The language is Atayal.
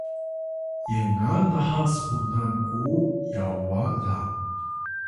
yenga naha spunan ku yawa la